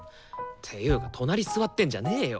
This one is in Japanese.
ていうか隣座ってんじゃねよ！